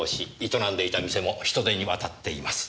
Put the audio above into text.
営んでいた店も人手に渡っています。